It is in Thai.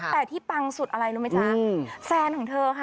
แต่ที่ปังสุดอะไรรู้ไหมจ๊ะแฟนของเธอค่ะ